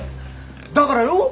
だからよ。